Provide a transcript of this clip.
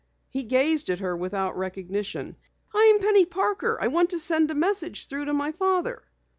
He gazed at her without recognition. "I'm Penny Parker. I want to get a message through to my father."